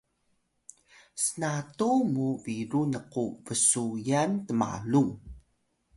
snatu muw biru nku bsuyan tmalung